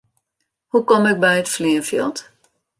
Hoe kom ik by it fleanfjild?